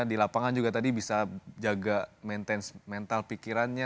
di lapangan juga tadi bisa jaga mental pikirannya